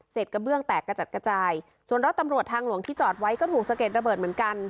กระเบื้องแตกกระจัดกระจายส่วนรถตำรวจทางหลวงที่จอดไว้ก็ถูกสะเก็ดระเบิดเหมือนกัน